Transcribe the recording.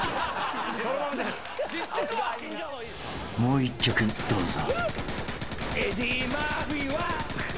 ［もう１曲どうぞ］